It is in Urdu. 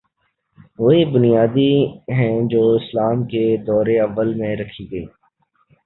وہی بنیادیں جو اسلام کے دور اوّل میں رکھی گئیں۔